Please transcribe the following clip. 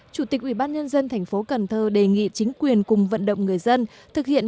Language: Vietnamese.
chủ tịch ủy ban nhân dân thành phố cần thơ đề nghị chính quyền cùng vận động người dân thực hiện